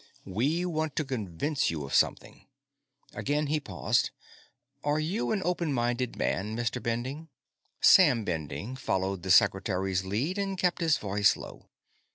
We want to convince you of something." Again he paused. "Are you an open minded man, Mr. Bending?" Sam Bending followed the Secretary's lead, and kept his voice low.